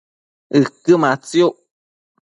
ëquë matsiuc